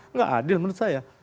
nggak adil menurut saya